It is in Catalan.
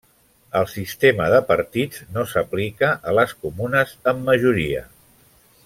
El sistema de partits no s'aplica a les comunes amb majoria.